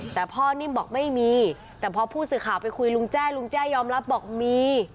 แต่พ่อนิ่มบอกไม่มีแต่พอผู้สื่อข่าวไปคุยลุงแจ้ลุงแจ้ยอมรับบอกมี